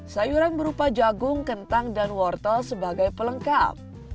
sayuran berupa jagung kentang dan wortel sebagai pelengkap